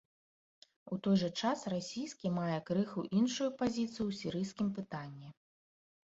У той жа час расійскі мае крыху іншую пазіцыю ў сірыйскім пытанні.